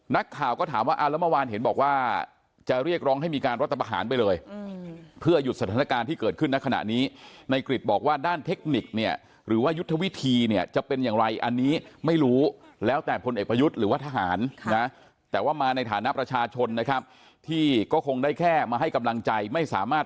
นักข่าวก็ถามว่าแล้วเมื่อวานเห็นบอกว่าจะเรียกร้องให้มีการรัฐประหารไปเลยเพื่อหยุดสถานการณ์ที่เกิดขึ้นในขณะนี้ในกริจบอกว่าด้านเทคนิคเนี่ยหรือว่ายุทธวิธีเนี่ยจะเป็นอย่างไรอันนี้ไม่รู้แล้วแต่พลเอกประยุทธ์หรือว่าทหารนะแต่ว่ามาในฐานะประชาชนนะครับที่ก็คงได้แค่มาให้กำลังใจไม่สามารถ